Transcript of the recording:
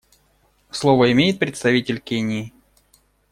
Слово имеет представитель Кении.